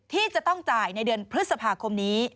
ที่จะต้องจ่ายในเดือนพฤษภาคมนี้